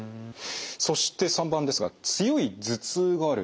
そして３番ですが強い頭痛がある。